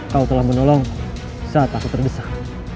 kau telah menolong saat aku tergesa